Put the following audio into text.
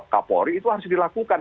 kapolri itu harus dilakukan